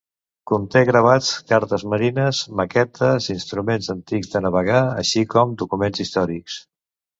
Conté gravats, cartes marines, maquetes, instruments antics de navegar així com documents històrics.